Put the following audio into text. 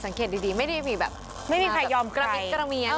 สังเกตดีไม่ได้มีแบบไม่มีใครยอมไกลกระมิดกระเมียอ่อ